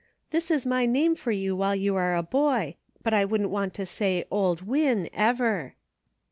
This is my name for you while you are a boy ; but I wouldn't want to say ' Old Win ' ever."